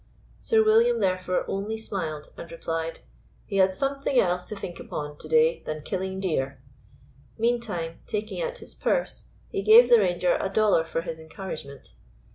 Sir William, therefore, only smiled and replied, "He had something else to think upon to day than killing deer"; meantime, taking out his purse, he gave the ranger a dollar for his encouragement.